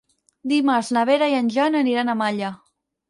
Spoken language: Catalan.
Dimarts na Vera i en Jan aniran a Malla.